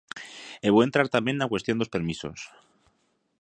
E vou entrar tamén na cuestión dos permisos.